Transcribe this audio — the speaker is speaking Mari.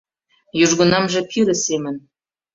Южгунамже пире семын